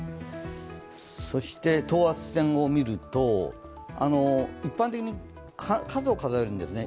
そして等圧線を見ると、一般的に数を数えるんですね。